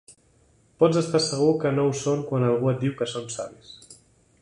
Pots estar segur que no ho són quan algú et diu que són savis.